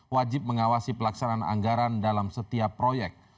wajib mengawasi pelaksanaan anggaran dalam setiap proyek